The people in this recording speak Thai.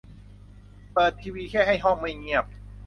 เปิดทีวีแค่ให้ห้องไม่เงียบ